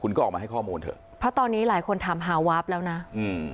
คุณก็ออกมาให้ข้อมูลเถอะเพราะตอนนี้หลายคนถามฮาวาฟแล้วนะอืม